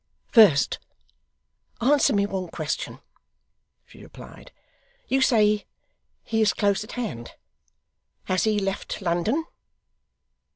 'First answer me one question,' she replied. 'You say he is close at hand. Has he left London?